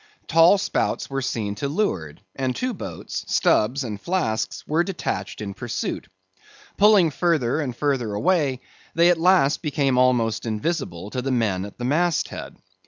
Tall spouts were seen to leeward; and two boats, Stubb's and Flask's, were detached in pursuit. Pulling further and further away, they at last became almost invisible to the men at the mast head.